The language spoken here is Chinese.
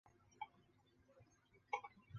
马礼逊学堂是中国第一所西式学堂。